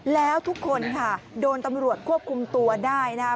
แล้วทุกคนค่ะโดนตำรวจควบคุมตัวได้นะคะ